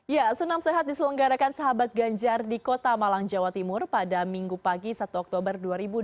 ya senam sehat diselenggarakan sahabat ganjar di kota malang jawa timur pada minggu pagi satu oktober dua ribu dua puluh